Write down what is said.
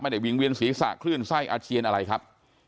วิ่งเวียนศีรษะคลื่นไส้อาเจียนอะไรครับ